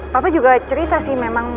papa juga cerita sih memang